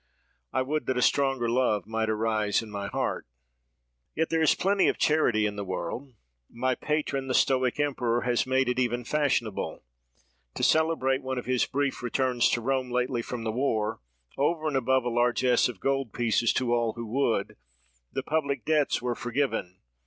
I would that a stronger love might arise in my heart! "Yet there is plenty of charity in the world. My patron, the Stoic emperor, has made it even fashionable. To celebrate one of his brief returns to Rome lately from the war, over and above a largess of gold pieces to all who would, the public debts were forgiven.